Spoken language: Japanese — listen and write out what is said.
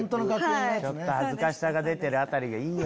ちょっと恥ずかしさが出てるあたりがいいよな。